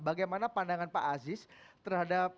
bagaimana pandangan pak aziz terhadap